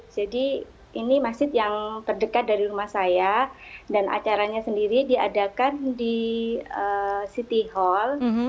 jadi ini masjid yang terdekat dari rumah saya dan acaranya sendiri diadakan di city hall